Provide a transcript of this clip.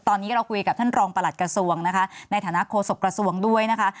ตอนนี้เราคุยกับท่านรองประหลัดกระทรวงนะคะในฐานะโฆษกระทรวงด้วยนะคะ